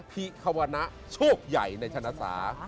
พิควรณะโชคใหญ่ในชนศา